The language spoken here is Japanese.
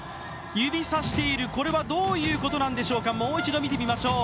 指さしているこれはどういうことなんでしょうか、もう一度見てみましょう。